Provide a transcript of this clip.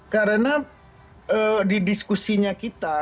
karena di diskusinya kita